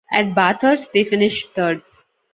At Bathurst they finished third.